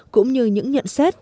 cũng như những nhận xét